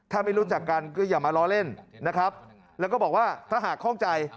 ถ้าไม่รู้จักกันก็อย่ามาล้อเล่นนะครับแล้วก็บอกว่าถ้าหากคล่องใจ